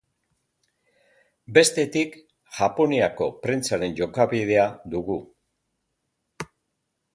Bestetik, Japoniako prentsaren jokabidea dugu.